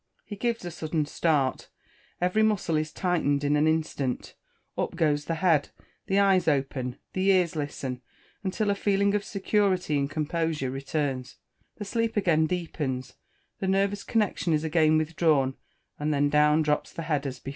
He gives a sudden start, every muscle is tightened in an instant, up goes the head, the eyes open, the ears listen, until a feeling of security and composure returns; the sleep again deepens, the nervous connection is again withdrawn, and then down drops the head as before.